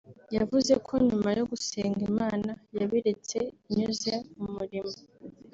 yavuze ko nyuma yo gusenga Imana yabiyeretse inyuze mu muriro